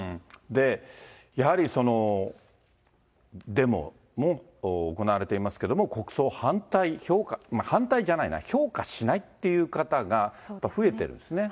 で、やはりそのデモも行われていますけども、国葬反対、反対じゃないな、評価しないっていう方が増えてるんですね。